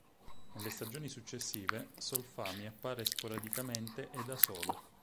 Nelle stagioni successive Solfami appare sporadicamente e da solo.